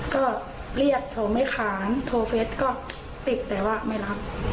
ก็เรียกเขาไม่ค้านโทรเฟสก็ติดแต่ว่าไม่รับ